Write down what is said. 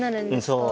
そう。